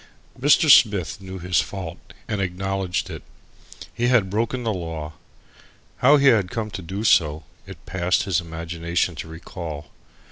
Mr. Smith knew his fault and acknowledged it. He had broken the law. How he had come to do so, it passed his imagination to recall.